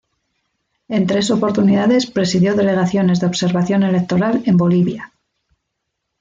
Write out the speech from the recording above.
En tres oportunidades presidió delegaciones de observación electoral en Bolivia.